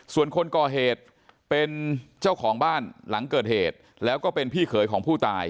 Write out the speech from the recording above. ส่วนคนก่อเหตุเป็นเจ้าของบ้านหลังเกิดเหตุแล้วก็เป็นพี่เขยของผู้ตาย